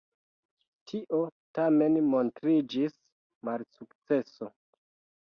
Tio tamen montriĝis malsukceso.